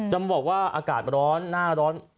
จะบอกว่าอากาศร้อนหน้าร้อน